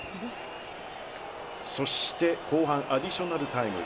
そして後半アディショナルタイム。